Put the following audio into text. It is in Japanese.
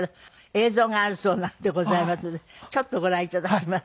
映像があるそうなんでございますのでちょっとご覧頂きます。